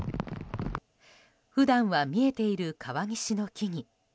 普段は見えている川岸の木々。